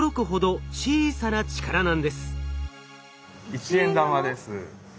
１円玉です。